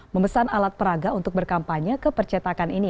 memesan alat peraga untuk berkampanye ke percetakan ini